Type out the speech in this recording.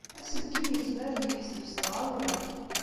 Aselkim yezmer ad yeḥseb s tɣawla.